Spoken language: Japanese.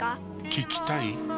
聞きたい？